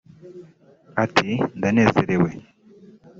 Ati “Ndanezerewe